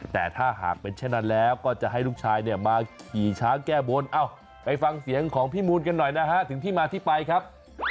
แต่ถ้าหากเป็นเช่นนั้นแล้วก็จะให้ลูกชายเนี่ยมาขี่ช้างแก้บนไปฟังเสียงของพี่มูลกันหน่อยนะฮะถึงที่มาที่ไปครับ